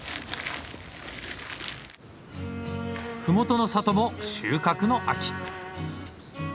ふもとの里も収穫の秋。